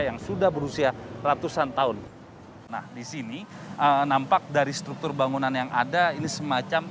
yang sudah berusia ratusan tahun nah disini nampak dari struktur bangunan yang ada ini semacam